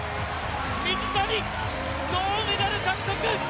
水谷銅メダル獲得！